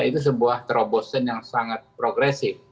itu sebuah terobosan yang sangat progresif